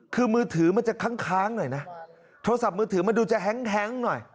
คือมือถือมันจะค้างหน่อยนะโทรศัพท์มือถือมันดูจะแฮ้งหน่อย